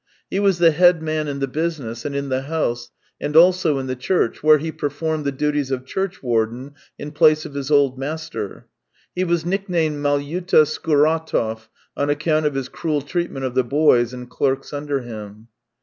He was the head man in the business and in the house, and also in the church, where he performed the duties of churchwarden I 20 306 THE TALES OF TCHEHOV in place of his old master. He was nicknamed Malyuta Skuratov on account of his cruel treat ment of the boys and clerks under him.